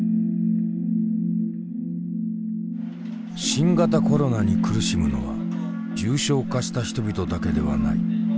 新型コロナに苦しむのは重症化した人々だけではない。